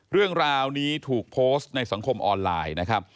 เรื่องราวนี้ถูกโพสต์ในสังคมออนไลน์นะครับ